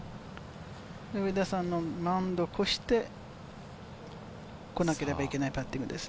上田さんもマウンドを越してこなければいけないパッティングです。